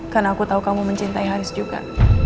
karena aku tahu kamu mencintai haris juga